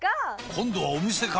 今度はお店か！